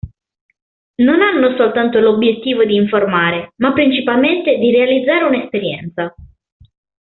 Non hanno soltanto l'obbiettivo di informare, ma principalmente di realizzare una esperienza.